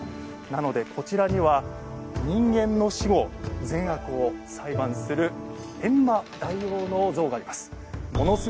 なので、こちらには人間の死後、善悪を裁判する閻魔大王の像があります。